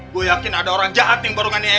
gue yakin ada orang jahat yang baru nganiaya